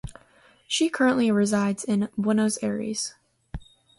She currently resides in Buenos Aires.